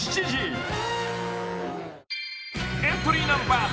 ［エントリーナンバー１０］